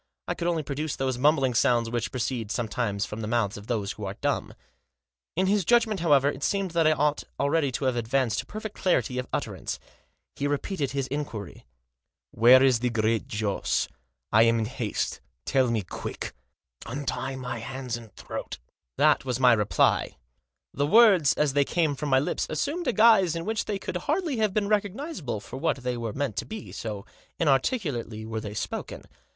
I could only produce those mumbling sounds which proceed, sometimes, from the mouths of those who are dumb. In his judgment, however, it seemed that I ought Digitized by THE TBIO RETURN. 219 already to have advanced to perfect clarity of utter ance. He repeated his inquiry. " Where is the Great Joss ? I am in haste. Tell me quick." " Untie my hands and throat." That was my reply. The words, as they came from my lips, assumed a guise in which they could hardly have been recognisable for what they were meant to be, so inarticulately were they spoken.